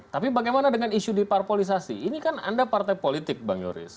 tapi bagaimana dengan isu diparpolisasi ini kan anda partai politik bang yoris